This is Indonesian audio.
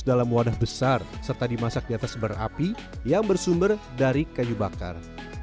dalam wadah besar serta dimasak di atas berapi yang bersumber dari kayu bakar